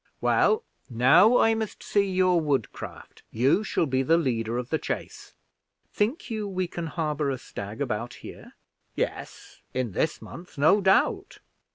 Well, now I must see your woodcraft. You shall be the leader of the chase." "Think you we can harbor a stag about here?" "Yes, in this month, no doubt."